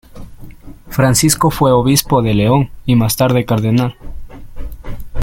Francisco fue Obispo de León y más tarde Cardenal.